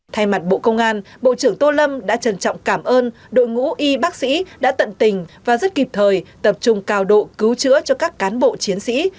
thay mặt bộ công an bộ trưởng tô lâm đã trân trọng cảm ơn đội ngũ y bác sĩ đã tận tình và rất kịp thời tập trung cao độ cứu chữa cho các cán bộ chiến sĩ